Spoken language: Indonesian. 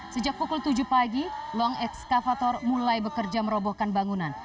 sejak pukul tujuh pagi long ekskavator mulai bekerja merobohkan bangunan